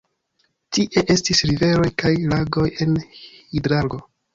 Tie estis riveroj kaj lagoj el hidrargo.